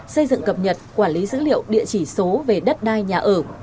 xây dựng cập nhật quản lý dữ liệu địa chỉ số về đất đai nhà ở